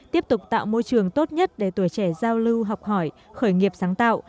tiếp tục tạo môi trường tốt nhất để tuổi trẻ giao lưu học hỏi khởi nghiệp sáng tạo